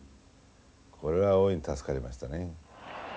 これは大いに助かりましたね。